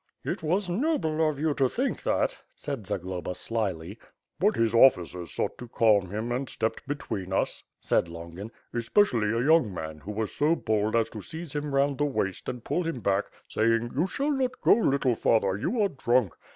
"It was noble of you to think that," said Zagloba slyly. "But his officers sought to calm him and stepped between us," said Longin, "especially a young man, who was so bold as to seize him round the waist and pull him back, saying 'you shall not go, little father, you are drunk.'